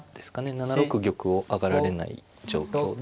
７六玉を上がられない状況で。